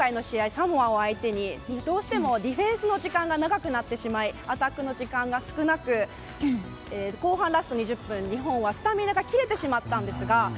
サモアを相手にどうしてもディフェンスの時間が長くなってしまいアタックの時間が少なく後半ラスト２０分日本はスタミナが切れてしまったんですが。